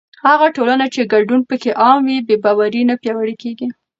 هغه ټولنه چې ګډون پکې عام وي، بې باوري نه پیاوړې کېږي.